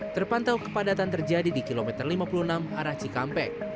terpantau kepadatan terjadi di kilometer lima puluh enam arah cikampek